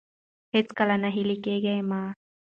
هېڅکله ناهيلي کېږئ مه.